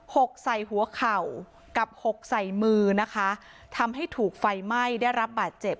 กใส่หัวเข่ากับหกใส่มือนะคะทำให้ถูกไฟไหม้ได้รับบาดเจ็บ